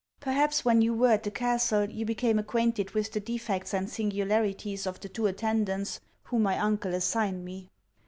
Perhaps when you were at the castle, you became acquainted with the defects and singularities of the two attendants whom my uncle assigned me.